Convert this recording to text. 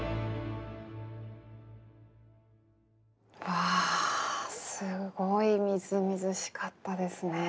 わあすごいみずみずしかったですね。